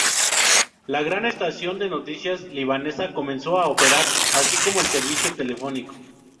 La gran estación de noticias libanesa comenzó a operar, así como el servicio telefónico.